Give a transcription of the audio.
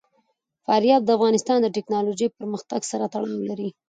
فاریاب د افغانستان د تکنالوژۍ پرمختګ سره تړاو لري.